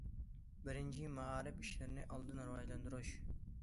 بىرىنچى، مائارىپ ئىشلىرىنى ئالدىن راۋاجلاندۇرۇش.